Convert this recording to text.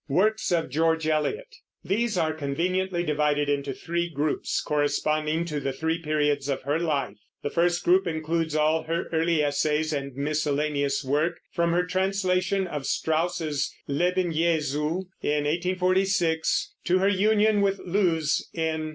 WORKS OF GEORGE ELIOT. These are conveniently divided into three groups, corresponding to the three periods of her life. The first group includes all her early essays and miscellaneous work, from her translation of Strauss's Leben Jesu, in 1846, to her union with Lewes in 1854.